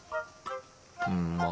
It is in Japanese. うーんまあ